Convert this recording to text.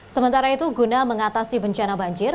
sementara itu guna mengatasi bencana banjir